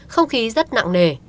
không khí rất nặng nề